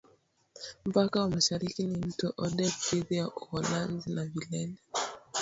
Mpaka wa mashariki ni mto Oder dhidi ya Uholanzi na vilele